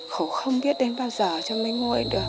khổ không biết đến bao giờ cho mấy ngôi được